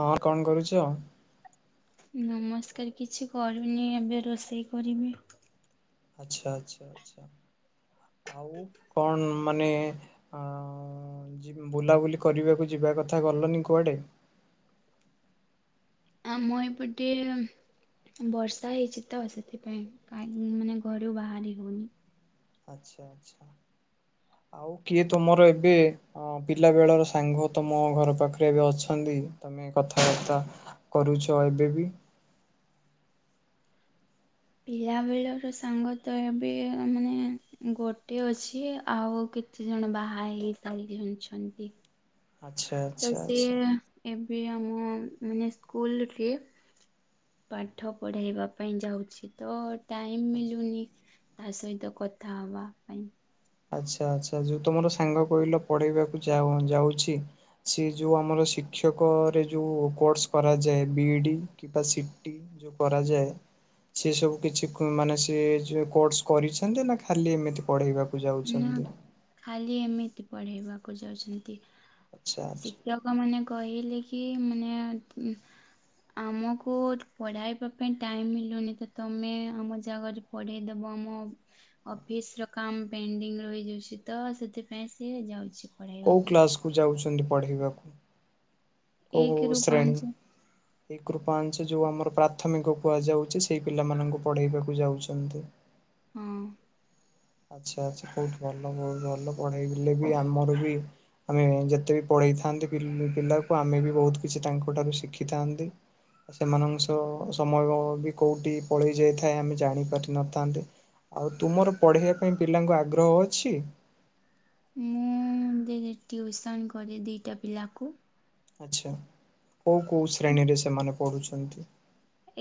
ହଁ କଣ କରୁଛ? ନମସ୍କାର କିଛି କରୁନି ଏବେ ରୋଷେଇ କରିବି। ଆଛା, ଆଛା, ଆଛା। ଆଉ କଣ ମାନେ ଅ ବୁଲାବୁଲି କରିବାକୁ ଯିବା କଥା ଗଲନି କୁଆଡେ? ଆ ମୋ ଏ ପ୍ରତି ବର୍ଷା ହେଇଛି ତ ସେଥିପାଇଁ କାଁ ମାନେ ଘରୁ ବାହାରି ହେଉନି। ଆଚ୍ଛା ଆଛା ଆଉ କିଏ ତମର ଏବେ ହଁ ପିଲା ବେଳର ସାଙ୍ଗ ତ ମୋ ଘର ପାଖରେ ଏବେ ଅଛନ୍ତି। ତମେ କଥାବାର୍ତ୍ତା କରୁଛ ଏବେ ବି। ପିଲା ବେଳର ସାଙ୍ଗ ତ ଏବେ ମାନେ ଗୋଟେ ଅଛି ଆଉ କିଛି ଜଣ ବାହା ହେଇ ସାରି ଜଣିଛନ୍ତି। ଆଚ୍ଛା ଆଚ୍ଛା ଆଚ୍ଛା ଏବେ ଆମ ମାନେ ସ୍କୁଲ୍ ରେ ପାଠ ପଢ଼ାଇବା ପାଇଁ ଯାଉଛି ତ ଟାଇମ୍ ଆଚ୍ଛା। ମିଳୁନି ତା ସହିତ କଥା ହବା ପାଇଁ। ଆଚ୍ଛା ଆଚ୍ଛା ଯୋଉ ତମର ସାଙ୍ଗ କହିଲ ପଳେଇବାକୁ ଯାଉଛି। ସେ ଯେଉଁ ଆମର ଶିକ୍ଷକରେ ଯେଉଁ କୋର୍ସ କରାଯାଏ ବି ଇ ଡ଼ି କିପ ସଟି ଯଉ କରାଯାଏ। ସି ସବୁ କିଛି ମାନେ ସ କୋର୍ସ କରିଛନ୍ତି ନା ଖାଲି ଏମିତି ପଢେଇବା? ନା ଯାଉଛନ୍ତି। ଖାଲି ଏମିତି ପଢେଇବାକୁ ଯାଉଛନ୍ତି। ଆଚ୍ଛା ସେ ଆଚ୍ଛା ଲୋକମାନେ କହିଲେ କି ମାନେ ଆମକୁ ପଢାଇବା ପାଇଁ ଟାଇମ୍ ମିଳୁନି ତ ତମେ ଆମ ଜାଗାରେ ପଢେଇଦବ ଆମ ଅଫିସ୍ ର କାମ ପେଣ୍ଡିଙ୍ଗ ରହିଯାଉଛି ତ ସେଥିପାଇଁ ସିଏ ଯାଉଛି। ପଢାଇବା କେଉଁ ପାଇଁ। କ୍ଲାସ୍କୁ ଯାଉଛନ୍ତି ପଢ଼ିବାକୁ? କୋଉ ଏକ ରୁ ଶ୍ରେଣୀ? ପାଞ୍ଚ ଏଇ କୃପାଞ୍ଚ ଯୋଉ ଆମର ପ୍ରାଥମିକ କୁହାଯାଉଛି ସେଇ ପିଲାମାନଙ୍କୁ ପଢେଇବାକୁ ଯାଉଛନ୍ତି। ହଁ। ଆଛା ଆଚ୍ଛା। ବୋହୁତ୍ ଭଲ, ବୋହୁତ୍ ଭଲ, ପଢେଇଲେ ବି ଆମର ବି ଆମେ ଯେତେ ବି ପଢେଇଥାନ୍ତି ପିଲାକୁ ଆମେ ବି ବୋହୁତ୍ କିଛି ତାଙ୍କ ଠାରୁ ଶିଖିଥାନ୍ତି। ସେମାନଙ୍କ ସହ ସମୟ ବି କୋଉଠି ପଳେଇ ଯାଇଥାଏ ଆମେ ଜାଣି ପାରିନଥାନ୍ତେ। ଆଉ ତୁମର ପଢେଇବା ପାଇଁ ପିଲାଙ୍କୁ ଆଗ୍ରହ ଅଛି? ମୁଁ ଦେ ରେ ଟ୍ୟୁସନ୍ କରେ ଦୁଇଟା ପିଲାକୁ। ଆଛା କୋଉ କୋଉ ଶ୍ରେଣୀରେ ସେମାନେ ପଢୁଛନ୍ତି?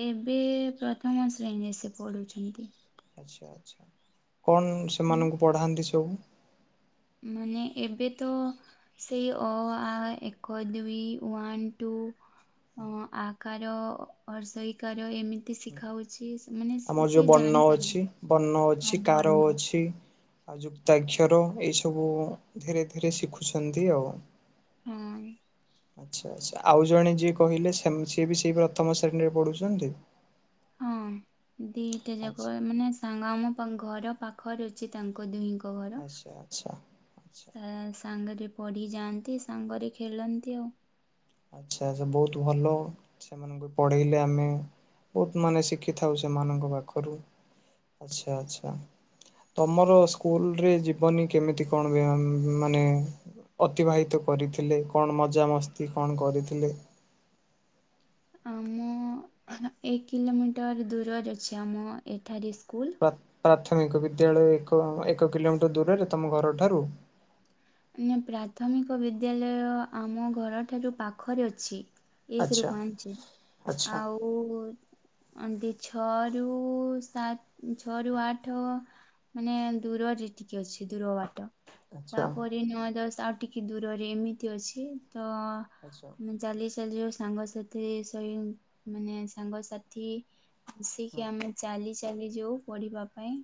ଏବେ ପ୍ରଥମ ଶ୍ରେଣୀରେ ସେ ପଢୁଛନ୍ତି। ଆଚ୍ଛା ଆଛା କଣ ସେମାନଙ୍କୁ ପଢାନ୍ତି ସବୁ? ମାନେ ଏବେ ତ ସେଇ ଅ ଆ ଏକ ଦୁଇ ୱାନ୍ ଟୁ ଅ ଆକାର ହର୍ଷେଇକାର ଏମିତ ଆମର ଯୋଉ ଜାଣି ବଣ୍ଣ ସାରିଲେ ଅଛି ବଣ୍ଣ ହଁ ଅଛି କାର ବର୍ଣ୍ଣ ଅଛି। ଆଉ ଯୁକ୍ତାକ୍ଷର ଏଇସବୁ ଧୀରେ ଧୀରେ ଶିଖୁଛନ୍ତି ଆଉ। ହଁ। ଆଚ୍ଛା ଆଛା ଆଉ ଜଣେ ଯିଏ କହିଲେ ସେମ ସିଏ ବି ସେଇ ପ୍ରଥମ ଶ୍ରେଣୀରେ ପଢୁଛନ୍ତି? ହଁ ଦିଟା ଆଚ୍ଛା ଯାକ ମାନେ ସାଙ୍ଗ ଆମ ପ ଘର ପାଖରେ ଅଛି ତାଙ୍କ ଦୁହିଁଙ୍କ ଘର ଆଚ୍ଛା ଆଚ୍ଛା ଆଚ୍ଛା। ତା ସାଙ୍ଗରେ ପଢ଼ିଯାଆନ୍ତି ସାଙ୍ଗରେ ଖେଳନ୍ତି ଆଉ। ଆଚ୍ଛା ଆଛା ବହୁତ ଭଲ ସେମାନଙ୍କୁ ପଢେଇଲେ ଆମେ ବହୁତ ମାନେ ଶିଖିଥାଉ ସେମାନଙ୍କ ପାଖରୁ ଆଚ୍ଛା ଆଛା ତମର ସ୍କୁଲ ରେ ଜୀବନି କେମିତି କଣ ମାନେ ଅତିବାହିତ କରିଥିଲେ କଣ ମଜାମସ୍ତି କଣ କରିଥିଲେ ଆମ ଏକ କିଲୋମିଟର ଦୂରରେ ଅଛି ଆମ ଏଠାରେ ସ୍କୁଲ। ପ୍ରା ପ୍ରାଥମିକ ବିଦ୍ୟାଳୟ ଏକ ଏକ କିଲୋମିଟର ଦୂରରେ ତମ ଘରଠାରୁ? ନା ପ୍ରାଥମିକ ବିଦ୍ୟାଳୟ ଆମ ଘରଠାରୁ ପାଖରେ ଅଛି। ଏକରୁ ଆଚ୍ଛା ପାଞ୍ଚ ଆଚ୍ଛା ଆଉ ଆନ୍ଦି ଛଅରୁ ସାତ ଛଅରୁ ଆଠ ମାନେ ଦୂରରେ ଟିକେ ଅଛି ଦୂର ବାଟ। ଆଚ୍ଛା। ପରି ନଅ ଦଶ ଆଉ ଟିକେ ଦୂରରେ ଏମିତି ଅଛି ତ ଆଛା। ଆମେ ଚାଲି ଚାଲି ଯୋଉ ସାଙ୍ଗସାଥି ସଇ ମାନେ ସାଙ୍ଗସାଥି ହୁଁ ଆସିକି ଆମେ ଚାଲି ଚାଲି ଯଉ ପଢିବା ପାଇଁ।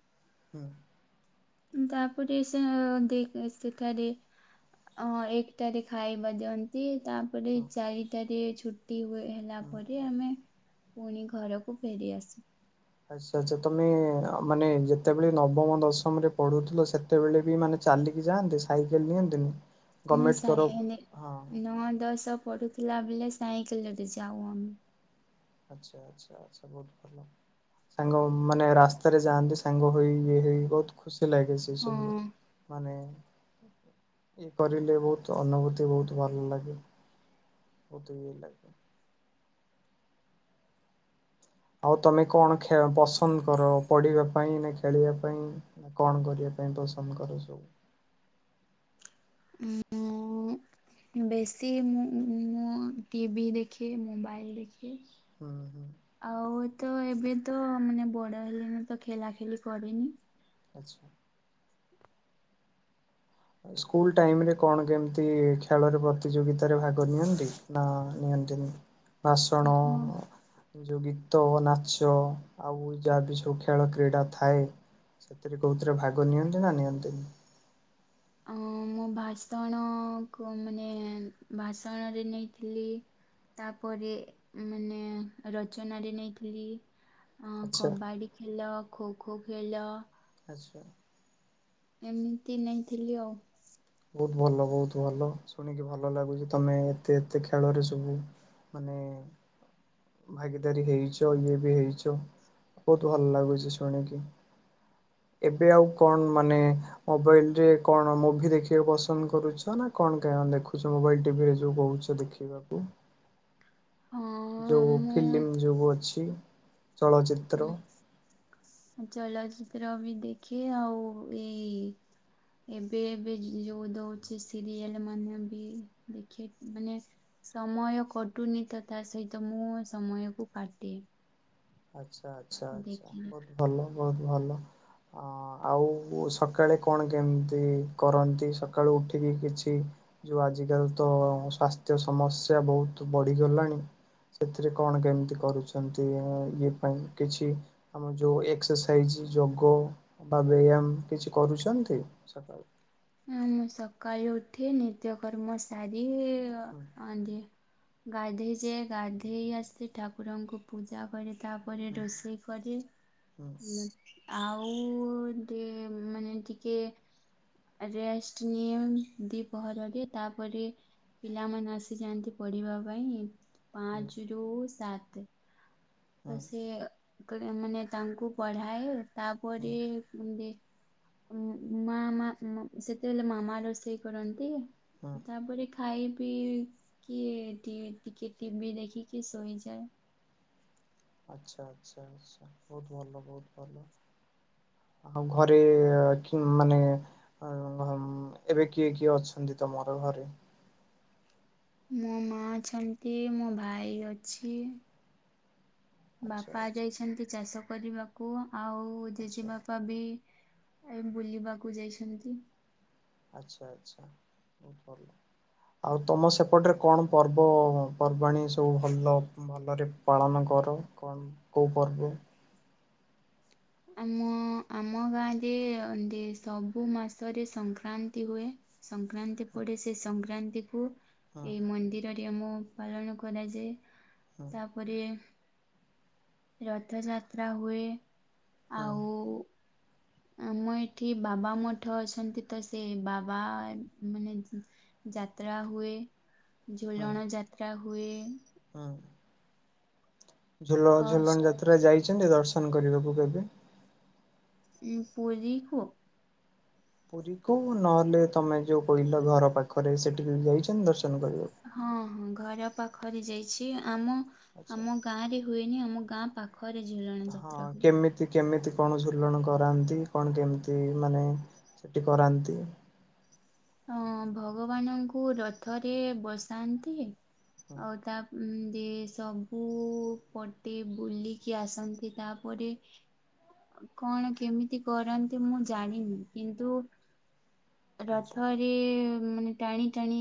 ହୁଁ। ତାପରେ ସେ ଦେ ସେଠାରେ ଅ ଏକଟାରେ ଖାଇବା ଦିଅନ୍ତି ତା ତା ପରେ ହୁଁ। ଚାରିଟାରେ ଛୁଟି ହୁ ହେଲାପରେ ଆମେ ପୁଣି ଘରକୁ ଫେରିଆସୁ। ଆଚ୍ଛା ଆଚ୍ଛା ତମେ ମାନେ ଯେତେବେଳେ ନବମ ଦଶମରେ ପଢୁଥିଲ ସେ ସେତେବେଳେ ବି ମାନେ ଚାଲିକି ଯାଆନ୍ତି ସାଇକେଲ ନିଅନ୍ତିନି? ନାଇଁ ଗଭର୍ଣ୍ଣମେଣ୍ଟ ସା ତରଫ ଏନେ ହଁ ନଅ ଦଶ ପଡୁଥିଲା ବେଳେ ସାଇକେଲରେ ଯାଉ ଆମେ। ଆଚ୍ଛା ଆଚ୍ଛା ଆଛା ବହୁ ସାଙ୍ଗମାନେ ରାସ୍ତାରେ ଯାଆନ୍ତି ସାଙ୍ଗ ହେଇ ଇଏ ହେଇ ବହୁତ ଖୁସି ଲାଗେ। ସେ ସବୁ ହଁ। ମାନେ ଇ କରିଲେ ବହୁତ ଅନୁଭୂତି ବହୁତ ଭଲ ଲାଗେ। ବହୁତ ଭଲ ଲାଗା। ଆଉ ତମେ କଣ ଖେ ପସନ୍ଦ କର ପଢିବା ପାଇଁ ନା ଖେଳିବା ପାଇଁ କଣ କରିବା ପାଇଁ ପସନ୍ଦ କରୁଶୁ? ଉଁ ହୁଁ। ବେଶୀ ମୁଁ ମୁଁ ଟିଭିି ଦେଖେ ମୋବାଇଲ ଦେଖେ। ହୁଁ ହୁଁ। ଆଉ ତ ଏବେ ତ ମାନେ ବଡ ହେଲିଣି ତ ଖେଲା ଖେଲି କରେନି। ଆଛା। ସ୍କୁଲ୍ ଟାଇମ୍ ରେ କଣ କେମିତି ଖେଳରେ ପ୍ରତିଯୋଗିତାରେ ଭାଗ ନିଅନ୍ତି? ନା ନିଅନ୍ତିନି ଭାସଣ ହଁ। ଯୋଉ ଗୀତ ନାଚ ଆଉ ଯାହା ବି ସବୁ ଖେଳ କ୍ରୀଡ଼ା ଥାଏ। ସେଥିରେ କଉଥିରେ ଭାଗ ନିଅନ୍ତି ନା ନିଅନ୍ତିନି? ହଁ ମୁଁ ଭାଷଣ କ ମାନେ ଭାଷଣରେ ନେଇଥିଲି। ତାପରେ ମାନେ ରଚନାରେ ନେଇଥିଲି। ହଁ ଆଚ୍ଛା କବାଡ଼ି ଖେଲ ଖୋ ଖୋ ଖେଲ ଆଛା। ଏମିତି ନେଇଥିଲି ଆଉ। ବହୁତ ଭଲ ବହୁତ ଭଲ ଶୁଣିକି ଭଲ ଲାଗୁଛି ତମେ ଏତେ ଏତେ ଖେଳରେ ସବୁ ମାନେ ଭାଗିଦାରୀ ହେଇଚ ଇଏ ବି ହେଇଚ। ବୋହୁତ ଭଲ ଲାଗୁଛି ଶୁଣିକି। ଏବେ ଆଉ କଣ ମାନେ ମୋବାଇଲ ରେ କଣ ମୁଭି ଦେଖି ଖିବାକୁ ପସନ୍ଦ କରୁଛ ନା କଣ କା ଦେଖୁଛ ମୋବାଇଲ ଟିଭିରେ ଯୋଉ କହୁଛ ଦେଖିବାକୁ? ହଁ ଯୋଉ ମୁଁ ଫିଲ୍ମ ଯୋଗୁ ଅଛି। ଚଳଚିତ୍ର। ହୁଁ ଚଳଚିତ୍ର ବି ଦେଖେ ଆଉ ଏଇ ଏବେ ଏବେ ଯୋଉ ଦୋଉଛି ସିରିଏଲ ମାନେ ବି ଦେଖେ ମାନେ ସମୟ କଟୁନି ତ ତା ସହିତ ମୁଁ ସମୟକୁ କାଟେ। ଆଛା, ଆଛା, ଆଛା ଦେଖିଲି ବୋହୁତ ଭଲ ବୋହୁତ ଭଲ। ଅଁ ଆଉ ସକାଳେ କଣ କେମିତି କରନ୍ତି ସକାଳୁ ଉଠିକି କିଛି ଯୋଉ ଆଜିକାଲି ତ ସ୍ୱାସ୍ଥ୍ୟ ସମସ୍ୟା ବୋହୁତ ବଢିଗଲାଣି। ସେଥିରେ କଣ କେମିତି କରୁଛନ୍ତି ଏ ଆଇ? ଇଏ ପାଇଁ କିଛି ଆମର ଯୋଉ ଏକ୍ସରସାଇଜ ଯୋଗ। ବା ବ୍ୟାୟାମ କିଛି କରୁଛନ୍ତି ସକାଳୁ? ହଁ ମୁଁ ସକାଳୁ ଉଠି ନିତ୍ୟକର୍ମ ସାରି ହୁଁ ଅ ନ୍ଧିଏ। ଗାଧେଇ ଯାଏ ଗାଧେଇ ଆସେ ଠାକୁରଙ୍କୁ ପୂଜା କରେ। ତାପରେ ହୁଁ ରୋଷେଇ କରି ହୁଁ ଆଉ ଟିକେ ମାନେ ଟିକେ ରେଷ୍ଟ ନିଏ ଦିପହରରେ ତାପରେ ପିଲାମାନେ ଆସିଯାଆନ୍ତି ପଢିବା ପାଇଁ ହୁଁ ପାଞ୍ଚ ରୁ ସାତେ। ତ ହୁଁ ସେ କରେ ମାନେ ତାଙ୍କୁ ପଢାଏ ତାପରେ ହୁଁ ବୁନ୍ଦେ ମା ମା ମ ସେତେବେଳେ ମାମା ରୋଷେଇ କରନ୍ତି। ହୁଁ ତାପରେ ଖା ଖାଇ ପିଇ କିିଏ ଟିକିଏ ଟିଭିି ଦେଖିକି ଶୋଇଯାଏ। ଆଛା, ଆଛା, ଆଛା ବୋହୁତ ଭଲ ବୋହୁତ ଭଲ। ଆଉ ଘରେ କି ମାନେ ଆଉ ଏବେ କିଏ କିଏ ଅଛନ୍ତି ତମର ଘରେ? ମୋ ମା ଅଛନ୍ତି ମୋ ଭାଇ ଅଛି। ଆଚ୍ଛା ବାପା ଆଚ୍ଛା ଯାଇଛନ୍ତି ଚାଷ କରିବାକୁ ଆଉ ଜେଜେ ଆଚ୍ଛା ବାପା ବାପା ବି ଏ ବୁଲିବାକୁ ଯାଇଛନ୍ତି। ଆଚ୍ଛା ଆଚ୍ଛା ବହୁତ୍ ଭଲ। ଆଉ ତମ ସେପଟରେ କଣ ପର୍ବ ପର୍ବାଣି ସବୁ ଭଲ ଭଲରେ ପାଳନ କର କଣ୍ କୋଉ ପର୍ବ? ଆମ-ଆମ ଗାଁରେ [inaudible] ସବୁ ମାସରେ ସଂକ୍ରାନ୍ତି ହୁଏ। ସଂକ୍ରାନ୍ତି ପଡେ ସେ ସଂକ୍ରାନ୍ତି କୁ ହୁଁ ଏଇ ମନ୍ଦିରରେ ଆମ ପାଳନ କରାଯାଏ। ହୁଁ ତାପରେ ରଥଯାତ୍ରା ହୁଏ ହୁଁ ଆଉ ଆମ ଏଠି ବାବା ମଠ ଅଛନ୍ତି ତ ସେ ବାବା ମାନେ ଯାତ୍ରା ହୁଏ ଝୁଲଣ ଯାତ୍ରା ହୁଏ। ହଁ। ଅ ଝୁଲ-ଝୁଲଣ ଯାତ୍ରା ଯାଇଚନ୍ତି ଦର୍ଶନ କରିବାକୁ କେବେ? ଉଁ ପୁରୀ କୁ? ପୁରୀକୁ ନହେଲେ ତମେ ଯୋଉ କହିଲ ଘର ପାଖରେ ସେଠି କେବେ ଯାଇଚନ୍ତି ଦର୍ଶନ କରିବାକୁ? ହଁ ହଁ ଘର ପାଖରେ ଯାଇଚି, ଆମ ଆଚ୍ଛା ଆମ ଗାଁ ରେ ହୁଏନି ଆମ ଗାଁ ପାଖ ଖରେ ଝୁଲଣ ହଁ ଯାତ୍ରା ହୁଏ। କେମିତି ସେ କେମିତି କଣ ଝୁଲଣ କରାନ୍ତି କଣ କେମିତି ମାନେ ସେଠି କରାନ୍ତି? ଅଁ ଭଗବାନଙ୍କୁ ରଥରେ ବସାନ୍ତି ଆଉ ତା ଏମଦି ସବୁ ପଟେ ବୁଲିକି ଆସନ୍ତି ତାପରେ। କଣ କେମିତି କରାନ୍ତି ମୁଁ ଜାଣିନି କିନ୍ତୁ ଆଚ୍ଛା। ରଥରେ ମାନେ ଟାଣି ଟାଣି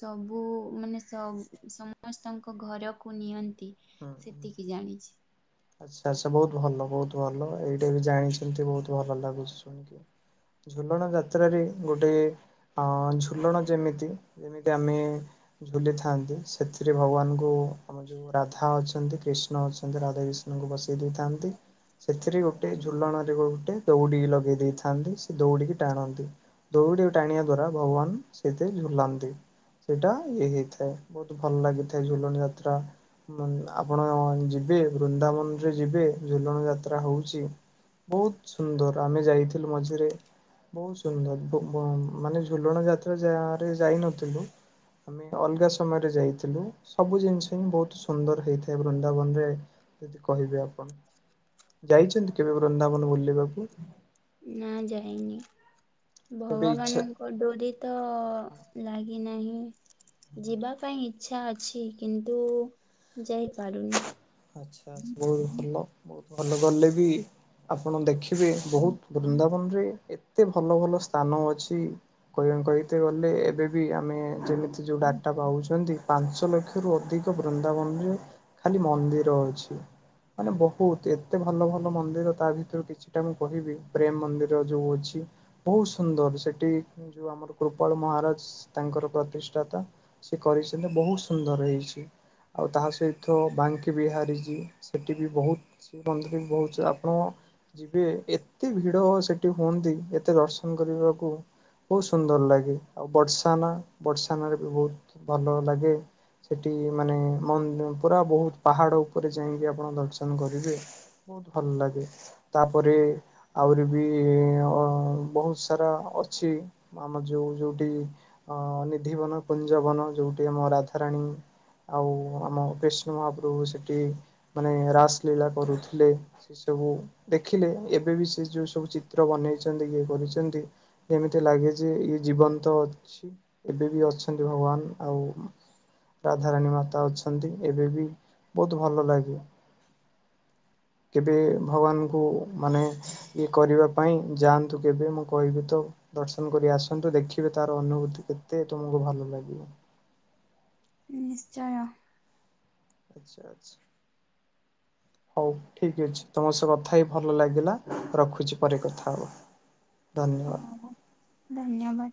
ସବୁ ମାନେ ସ-ସମସ୍ତଙ୍କ ଘରକୁ ନିଅନ୍ତି। ହୁଁ ହୁଁ। ସେତିକି ଜାଣିଚି। ଆଚ୍ଛା ଆଚ୍ଛା ବହୁତ୍ ଭଲ ବହୁତ୍ ଭଲ‌। ଏଇଟା ବି ଜାଣିଚନ୍ତି ବହୁତ୍ ଭଲ ଲାଗୁଚି ଶୁଣିକି। ଝୁଲଣ ଯାତ୍ରାରେ ଗୋଟେ ଅ ଝୁଲଣ ଯେମିତି ଯେମିତି ଆମେ ଝୁଲିଥାନ୍ତି ସେଥିରେ ଭଗବାନଙ୍କୁ ଆମ ଯୋଉ ରାଧା ଅଛନ୍ତି କ୍ରିଷ୍ଣ ଅଛନ୍ତି ରାଧା କ୍ରିଷ୍ଣଙ୍କୁ ବସେଇ ଦେଇଥାନ୍ତି। ସେଥିରେ ଗୋଟେ ଝୁଲଣରେ ଗୋଟେ ଦଉଡିି ଲଗେଇ ଦେଇଥାନ୍ତି ସେ ଦଉଡିକି ଟାଣନ୍ତି। ଦଉଡି କୁ ଟାଣିବା ଦ୍ଵାରା ଭଗବାନ ସେଇଥେ ଝୁଲନ୍ତି। ସେଇଟା ଇଏ ହେଇଥାଏ। ବହୁତ ଭଲ ଲାଗିଥାଏ ଝୁଲଣ ଯାତ୍ରା। ଉଁ ଆପଣ ଯିବେ ବୃନ୍ଦାବନରେ ଯିବେ ଝୁଲଣ ଯାତ୍ରା ହଉଚି ବହୁତ୍ ସୁନ୍ଦର ଆମେ ଯାଇଥିଲୁ ମଝିରେ ବହୁତ୍ ସୁନ୍ଦର୍ ବୁ-ବୁ ମାନେ ଝୁଲଣ ଯାତ୍ରା ଯାରେ ଯାଇନଥିଲୁ ଆମେ ଅଲଗା ସମୟରେ ଯାଇଥିଲୁ ସବୁ ଜିନିଷ ବହୁତ୍ ସୁ ସୁନ୍ଦର ହେଇଥାଏ ବୃନ୍ଦାବନ ରେ ଯଦି କହିବେ ଆପଣ। ଯାଇଚନ୍ତି କେବେ ବୃନ୍ଦାବନ ବୁଲିବାକୁ? ନାଁ ଯାଇନି। କେବେ ଇଚ୍ଛା ଭଗବାନଙ୍କ ଙ୍କ ଡୋରି ତ ଲାଗିନାହିଁ। ଯିବା ପାଇଁ ଇଚ୍ଛା ଅଛି କିନ୍ତୁ ଯାଇପାରୁନି। ଆଚ୍ଛା ବହୁତ୍ ଭଲ ବହୁତ୍ ଭଲ। ଗଲେବି ଆପଣ ଦେଖି ବେ ବହୁତ ବୃନ୍ଦାବନ୍ ରେ ଏ ଏତେ ଭଲ ଭଲ ସ୍ଥାନ ଅଛି କହିଆଁ-କହିତେ ଗଲେ ଏବେ ବି ଆମେ ଯେମିତି ଯୋଉ ଡାଟା ପାଉଚନ୍ତି ପାଞ୍ଚଲକ୍ଷ ରୁ ଅଧିକ ବୃନ୍ଦାବନରେ ଖାଲି ମନ୍ଦିର୍ ରହୁଛି। ମାନେ ବହୁତ ଏତେ ଭଲ ଭଲ ମନ୍ଦିର ତା ଭିତରୁ କିଛିଟା ମୁଁ କହିବି ପ୍ରେମ ମନ୍ଦିର ଯୋଉ ଅଛି। ବହୁତ ସୁନ୍ଦର ସେଠି ଯୋଉ ଆମର କୃପଳ ମହାରାଜ ତାଙ୍କର ପ୍ରତିଷ୍ଠାତା। ସେ କରିଛନ୍ତି ବହୁତ ସୁନ୍ଦର ହେଇଛି ଆଉ ତାହା ସହିତ ବା ଙ୍କି ବିହାରି ଜି ସେଠି ବି ବହୁତ ସେ ମନ୍ଦିର ବି ବହୁତ ଆପଣ। ଯିବେ ଏତେ ଭିଡ ସେଠି ହୁଅନ୍ତି ଏତେ ଦର୍ଶନ କରିବାକୁ। ବହୁତ ସୁନ୍ଦର ଲାଗେ ଆଉ ବର୍ସାନା ବର୍ସାନା ରେ ବି ବହୁତ ସୁ ଭଲ ଲାଗେ। ସେଠି ମାନେ ମନ୍ଦ ପୁରା ବହୁତ ପାହାଡ ଉପରେ ଯାଇଁକି ଆପଣ ଦର୍ଶନ କରିବେ। ବହୁତ ଭଲ ଲାଗେ। ତାପରେ ଆହୁରି ବି ଅ ବହୁତ ସାରା ଅ ଅଛି। ଆମ ଯୋଉ ଯୋଉଠି ଅ ନିିଧିବନ କୁଞ୍ଜବନ ଯୋଉଠି ଆମ ରାଧାରାଣୀ। ଆଉ ଆମ କ୍ରିଷ୍ଣ ମହାପ୍ରଭୁ ସେଠି ମାନେ ରାସଲୀଳା କରୁଥିଲେ। ସେ ସବୁ ଦେଖିଲେ ଏବେ ବି ସେ ଯୋଉ ସବୁ ଚିତ୍ର ବନେଇଛନ୍ତି ଇଏ କରିଛନ୍ତି। ଏମିତି ଲାଗେ ଯେ ଇଏ ଜୀବନ୍ତ ଅଛି। ଏବେ ବି ଅଛନ୍ତି ଭଗବାନ ଆଉ ରାଧାରାଣୀ ମାତା ଅଛନ୍ତି ଏବେବି। ବହୁତ ଭଲ ଲାଗେ। [inaudible] କେବେ ଭଗବାନଙ୍କୁ ମାନେ ଇଏ କରିବାପାଇଁ ଯାଆନ୍ତୁ କେବେ ମୁଁ କହିବି ତ। ଦର୍ଶନ କରି ଆସନ୍ତୁ ଦେଖିବେ ତାର ଅନୁଭୂତି କେତେ ତୁମକୁ ଭଲ ଲାଗିବ। ନିଶ୍ଚୟ। ଆଚ୍ଛା ଆଚ୍ଛା। [inaudible] ହଉ ଠିକ ଅଛି ତମ ସହ କଥା ହେଇ ଭଲ ଲାଗିଲା ରଖୁଛି ପରେ କଥା ହବା। ହଁ ଧନ୍ୟବାଦ। ହଁ ଧନ୍ୟବାଦ।